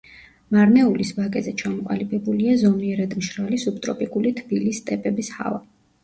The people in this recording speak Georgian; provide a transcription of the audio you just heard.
მარნეულის ვაკეზე ჩამოყალიბებულია ზომიერად მშრალი სუბტროპიკული თბილი სტეპების ჰავა.